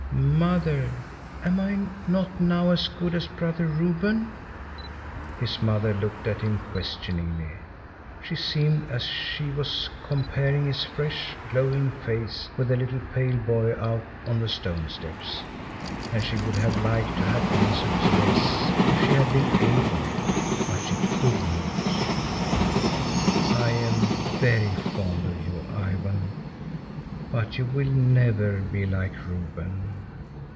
"Mother, am I not now as good as Brother Reuben?" His mother looked at him questioningly. She seemed as if she was comparing his fresh, glowing face with the little pale boy out on the stone steps. And she would have liked to have answered yes, if she had been able, but she could not. "I am very fond of you, Ivan, but you will never be like Reuben."